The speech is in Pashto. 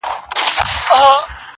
سپی ناجوړه سو او مړ سو ناګهانه,